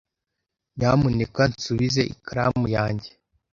Nyamuneka nsubize ikaramu yanjye.